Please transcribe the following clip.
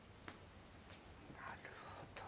なるほど。